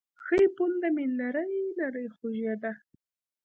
ښۍ پونده مې نرۍ نرۍ خوږېده.